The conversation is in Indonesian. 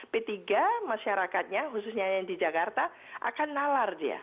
p tiga masyarakatnya khususnya yang di jakarta akan nalar dia